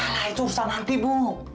hal itu susah nanti ibu